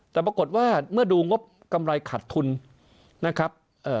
แต่ปรากฏว่าเมื่อดูงบกำไรขัดทุนนะครับ